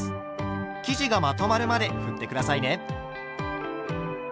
生地がまとまるまでふって下さいね。